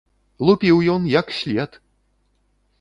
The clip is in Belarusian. Лупіў ён як след!